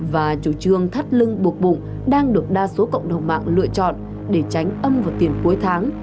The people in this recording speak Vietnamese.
và chủ trương thắt lưng buộc bụng đang được đa số cộng đồng mạng lựa chọn để tránh âm vào tiền cuối tháng